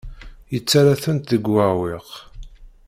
Yettarra-tent deg uɛewwiq.